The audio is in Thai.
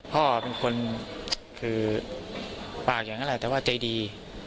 พ่อเป็นคนคือปากอย่างนั้นแหละแต่ว่าใจดี